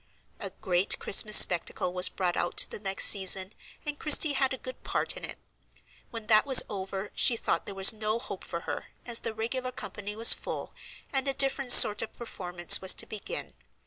A great Christmas spectacle was brought out the next season, and Christie had a good part in it. When that was over she thought there was no hope for her, as the regular company was full and a different sort of performance was to begin.